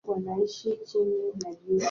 Wengi ni weusi wenye madoa ya rangi kali.